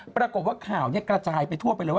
ปรากฏว่าข่าวเนี่ยกระจายเพชรไปทั่วไปเลย